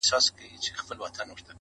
• او د خلکو ټول ژوندون په توکل وو -